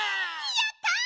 やった！